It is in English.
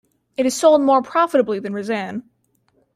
It is sold more profitably than Razanne.